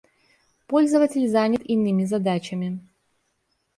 Пользователь занят иными задачами